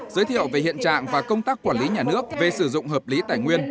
giới thiệu về hiện trạng và công tác quản lý nhà nước về sử dụng hợp lý tài nguyên